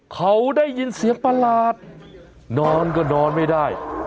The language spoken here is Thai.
เขาได้ยินเสียงประหลาดนอนก็นอนไม่ได้